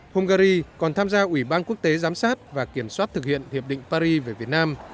hungary còn tham gia ủy ban quốc tế giám sát và kiểm soát thực hiện hiệp định paris về việt nam